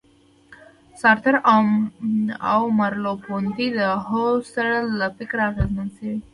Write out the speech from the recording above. سارتر او مرلوپونتې د هوسرل له فکره اغېزمن شوي دي.